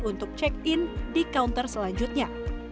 untuk check in di counter selanjutnya